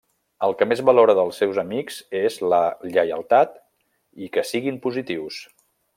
El que més valora dels seus amics és la lleialtat i que siguin positius.